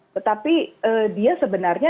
tetapi dia sebenarnya